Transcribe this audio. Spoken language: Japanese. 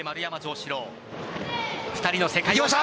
２人の世界王者。